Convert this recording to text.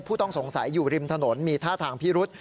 ผู้ต้องสงสัยอยู่ริมถนนมีท่าทางพิรุษ